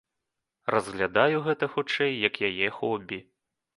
Разглядаю гэта, хутчэй, як яе хобі.